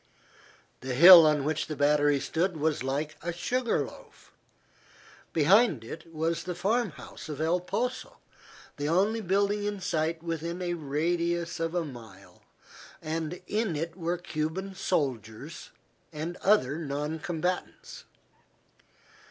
The hill on which the battery stood was like a sugar loaf. Behind it was the farm house of El Poso, the only building in sight within a radius of a mile, and in it were Cuban soldiers and other non combatants.